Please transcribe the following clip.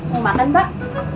mau makan mbak